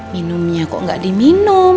minumnya kok gak diminum